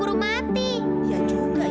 ternaknya keburu mati